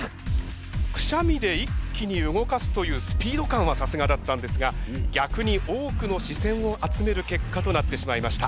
くしゃみで一気に動かすというスピード感はさすがだったんですが逆に多くの視線を集める結果となってしまいました。